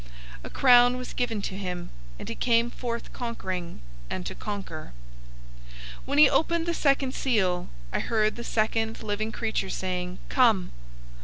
A crown was given to him, and he came forth conquering, and to conquer. 006:003 When he opened the second seal, I heard the second living creature saying, "Come!"